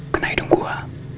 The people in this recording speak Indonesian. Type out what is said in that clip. kena hidung gua